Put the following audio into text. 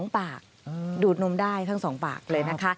๒ปากดูดนมได้ทั้ง๒ปากเลยนะคะ